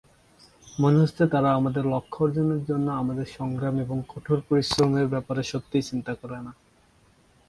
মনে হচ্ছে তারা আমাদের লক্ষ্য অর্জনের জন্য আমাদের সংগ্রাম এবং কঠোর পরিশ্রমের ব্যাপারে সত্যিই চিন্তা করেন না।